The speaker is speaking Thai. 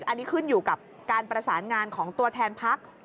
อันนี้ขึ้นอยู่กับการประสานงานของตัวแทนพัก